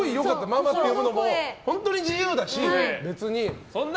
ママって呼ぶのも本当に自由だし。